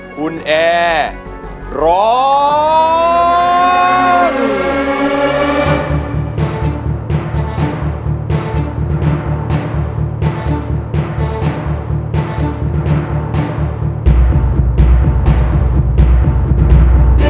คุณแอร้องได้